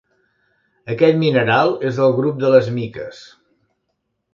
Aquest mineral és del grup de les miques.